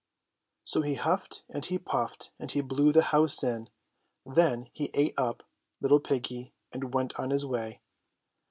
So he huffed and he puffed and he blew the house in. Then he ate up Httle piggy and went on his way.